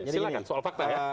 silahkan soal fakta ya